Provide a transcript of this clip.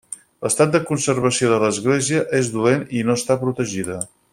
L'estat de conservació de l'església és dolent i no està protegida.